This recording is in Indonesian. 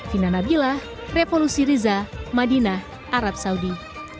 vinanabilah repolusi riza madinah arab saudi